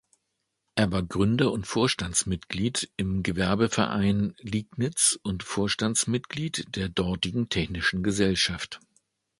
Er war Gründer und Vorstandsmitglied im Gewerbeverein Liegnitz und Vorstandsmitglied der dortigen Technischen Gesellschaft.